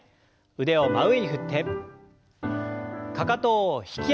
腕を真上に振ってかかとを引き上げて下ろして。